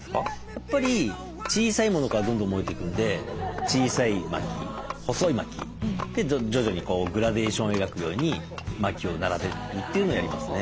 やっぱり小さいものからどんどん燃えていくんで小さい薪細い薪で徐々にグラデーションを描くように薪を並べるっていうのをやりますね。